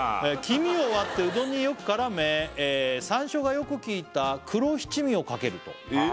「黄身を割ってうどんによく絡め」「山椒がよく効いた黒七味をかけると」